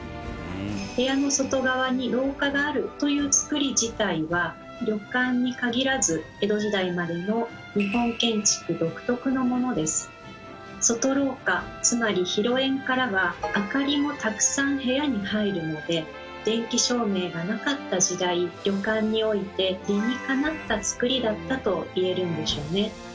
部屋の外側に廊下があるというつくり自体は旅館に限らず江戸時代までの外廊下つまり広縁からは明かりもたくさん部屋に入るので電気照明がなかった時代旅館において理にかなったつくりだったと言えるんでしょうね。